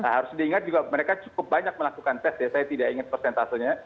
harus diingat juga mereka cukup banyak melakukan tes ya saya tidak ingat persentasenya